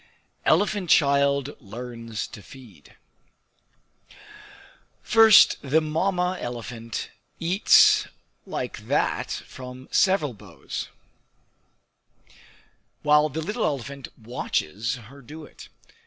Elephant Child Learns to Feed First, the Mamma elephant eats like that from several boughs, while the little elephant watches her do it.